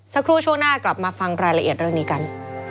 สักครู่ช่วงหน้ากลับมาฟังรายละเอียดเรื่องนี้กัน